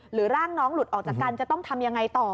ร่างน้องหลุดออกจากกันจะต้องทำยังไงต่อ